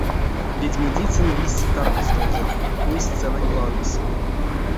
Ведьмедицын лиссь таркастонзо, куйсь сценанть лангс.